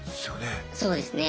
そうですね。